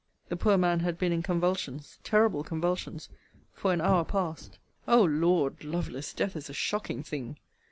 The poor man had been in convulsions, terrible convulsions! for an hour past. O Lord! Lovelace, death is a shocking thing!